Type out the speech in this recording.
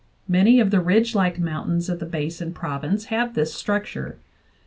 ... Many of the ridge like mountains of the Basin province have this structure.